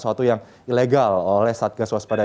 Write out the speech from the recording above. sesuatu yang ilegal oleh satgas waspada